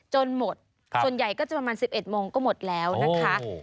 จนหมดครับส่วนใหญ่ก็จะประมาณสิบเอ็ดโมงก็หมดแล้วนะคะ